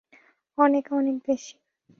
অনেক, অনেক বেশি।